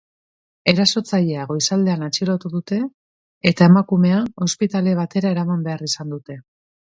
Erasotzailea goizaldean atxilotu dute eta emakumea ospitale batera eraman behar izan dute.